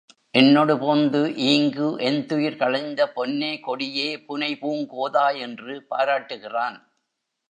என்னொடு போந்து ஈங்கு என்துயர் களைந்த பொன்னே கொடியே புனைபூங் கோதாய் என்று பாராட்டுகிறான்.